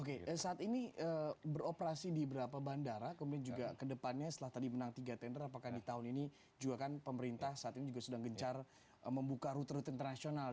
oke saat ini beroperasi di berapa bandara kemudian juga kedepannya setelah tadi menang tiga tender apakah di tahun ini juga kan pemerintah saat ini juga sedang gencar membuka rute rute internasional